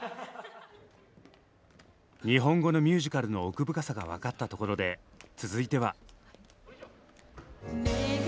日本語のミュージカルの奥深さが分かったところで続いては。